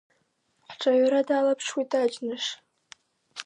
Ҳҽаҩра далаԥшуеит, аџьныш…